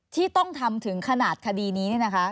ที่ต้องทำถึงขนาดคดีนี้นะคะ